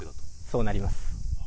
そうなります。